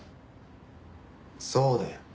そうだよ。